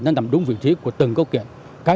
nằm đúng vị trí của từng cấu kiện